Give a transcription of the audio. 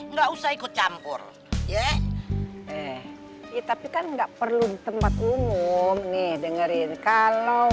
enggak usah ikut campur ya eh iya tapi kan enggak perlu tempat umum nih dengerin kalau